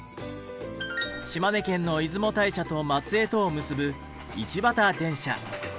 島根県の出雲大社と松江とを結ぶ